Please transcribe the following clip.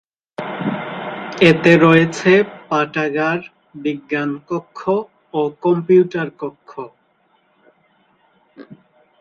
এতে রয়েছে পাঠাগার, বিজ্ঞান কক্ষ ও কম্পিউটার কক্ষ।